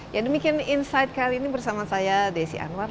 ya demikian insight kali ini bersama saya desi anwar